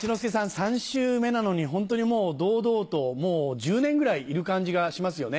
３週目なのにホントにもう堂々ともう１０年ぐらいいる感じがしますよね。